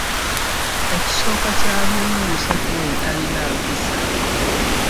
Ekisooka kya byonna omusajja oyo talina mpisa.